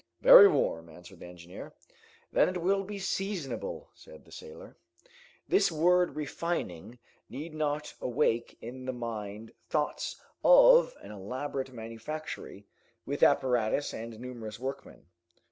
"Very warm," answered the engineer. "Then it will be seasonable!" said the sailor. This word refining need not awake in the mind thoughts of an elaborate manufactory with apparatus and numerous workmen.